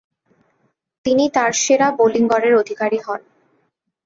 তিনি তার সেরা বোলিং গড়ের অধিকারী হন।